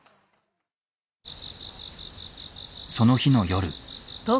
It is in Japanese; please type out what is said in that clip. その日の夜。